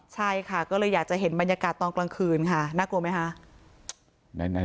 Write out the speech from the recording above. ใช่ค่ะก็เลยอยากจะเห็นบรรยากาศตอนกลางคืนค่ะน่ากลัวไหมคะ